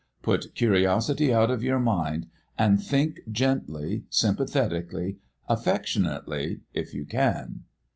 Put curiosity out of your mind, and think gently, sympathetically, affectionately, if you can."